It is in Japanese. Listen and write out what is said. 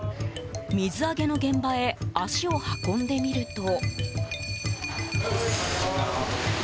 水揚げの現場へ足を運んでみると。